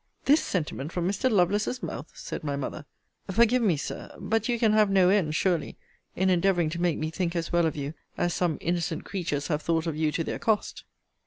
This sentiment from Mr. Lovelace's mouth! said my mother forgive me, Sir; but you can have no end, surely, in endeavouring to make me think as well of you as some innocent creatures have thought of you to their cost.